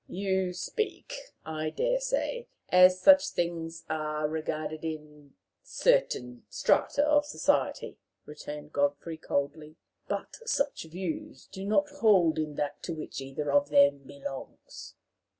"You speak, I dare say, as such things arc regarded in certain strata of society," returned Godfrey, coldly; "but such views do not hold in that to which either of them belongs."